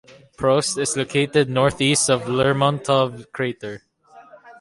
Proust is located northeast of Lermontov crater.